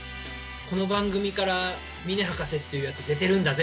この番組から峰博士っていうヤツ出てるんだぜ！